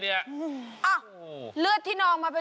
หรือเป็นผู้โชคดีจากทางไหน